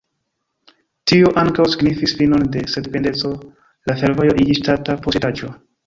Tio ankaŭ signifis finon de sendependeco, la fervojo iĝis ŝtata posedaĵo.